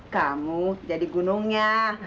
kamu jadi gunungnya